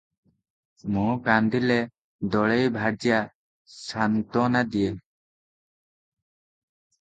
ମୁଁ କାନ୍ଦିଲେ ଦଳେଇ ଭାର୍ଯ୍ୟା ସାନ୍ୱନା ଦିଏ